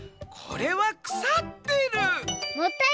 これはくさってる」。